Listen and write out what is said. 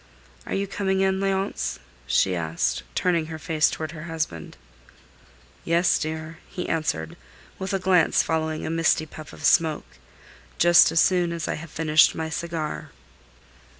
"Are you coming in, Léonce?" she asked, turning her face toward her husband. "Yes, dear," he answered, with a glance following a misty puff of smoke. "Just as soon as I have finished my cigar."